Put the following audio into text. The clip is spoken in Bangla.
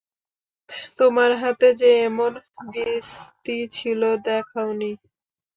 তোমার হাতে যে, এমন বিস্তি ছিল, দেখাওনি?